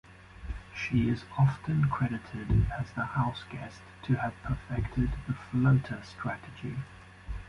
She is often credited as the houseguest to have perfected the "floater" strategy.